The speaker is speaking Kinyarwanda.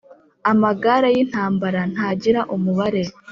amagare y’intambara ntagira umubare.